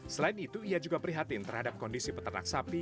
selain itu ia juga prihatin terhadap kondisi peternak sapi